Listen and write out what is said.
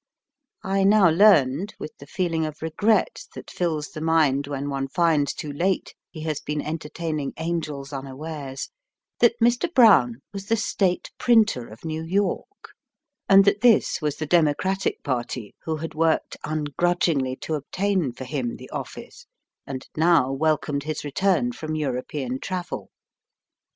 I now learned, with the feeling of regret that fills the mind when one finds too late he has been enter taining angels unawares, that Mr. Brown was the State printer of New York, and that this was the Democratic party who had worked ungrudgingly to obtain for him the ofl&ce, and now welcomed his return from European Digitized by VjOOQIC OFF SANDY HOOK.'' travel.